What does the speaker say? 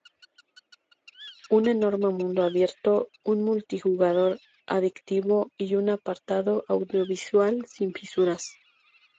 Un enorme mundo abierto, un multijugador adictivo y un apartado audiovisual sin fisuras.